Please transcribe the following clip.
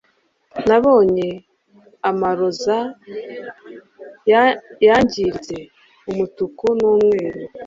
nabonye amaroza yangiritse, umutuku n'umweru